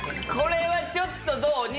これはちょっとどう？